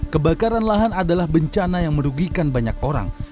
kebakaran lahan adalah bencana yang merugikan banyak orang